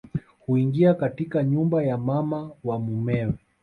Huingia katika nyumba ya mama wa mumewe